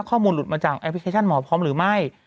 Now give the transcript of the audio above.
ข้อมูลหลุดมาจากแอปพลิเคชันหมอพร้อมหรือไม่